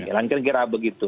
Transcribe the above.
langsung kira kira begitu